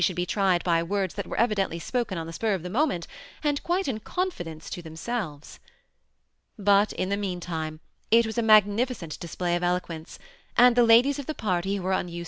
should be tried by words that were evidently spoken on the spur of the moment, and quite in. confidence to themselves. But, in the mean time, it was a magnificent display of eloquence, and the ladies of the party who were unused 198 THE SEMI ATTACHED COUPLE.